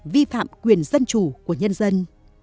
vi phạm quyền dân chủ của nhân dân